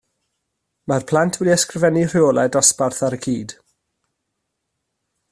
Mae'r plant wedi ysgrifennu rheolau dosbarth ar y cyd